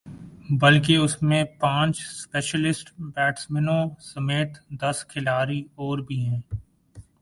بلکہ اس میں پانچ اسپیشلسٹ بیٹسمینوں سمیت دس کھلاڑی اور بھی ہیں